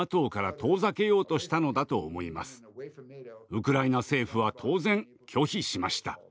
ウクライナ政府は当然拒否しました。